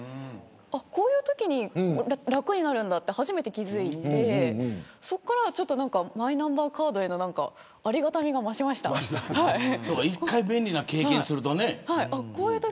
こういうときに楽になるんだと初めて気付いてそこからはマイナンバーカードへの一度便利な経験をするとね。